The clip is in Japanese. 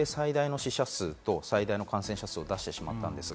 それで最大の死者数と、最大の感染者数を出してしまった。